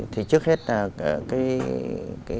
thì trước hết là cái